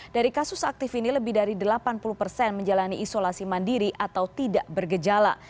dari kasus aktif ini lebih dari delapan puluh persen menjalani isolasi mandiri atau tidak bergejala